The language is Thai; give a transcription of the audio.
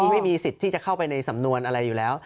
ไม่มีสิทธิ์ที่จะเข้าไปในสำนวนอะไรอยู่แล้ว